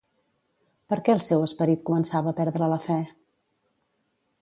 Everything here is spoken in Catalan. Per què el seu esperit començava a perdre la fe?